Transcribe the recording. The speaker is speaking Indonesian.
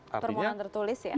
permohonan tertulis ya